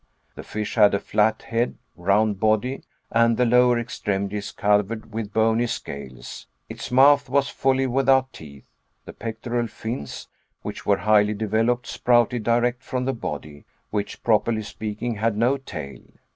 The fish had a flat head, round body, and the lower extremities covered with bony scales; its mouth was wholly without teeth, the pectoral fins, which were highly developed, sprouted direct from the body, which properly speaking had no tail.